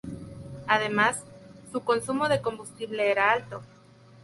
Además, su consumo de combustible era alto.